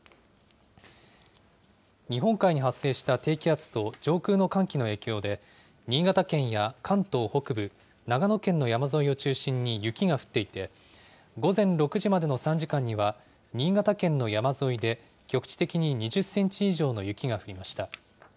日本海に発生した低気圧と上空の寒気の影響で、新潟県や関東北部、長野県の山沿いを中心に雪が降っていて、午前６時までの３時間には、新潟県の山沿いで局地的に２０センチ以上の雪が降りました。